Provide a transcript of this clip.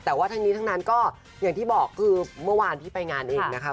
แต่ว่าทั้งนี้ทั้งนั้นก็อย่างที่บอกคือเมื่อวานพี่ไปงานเองนะคะ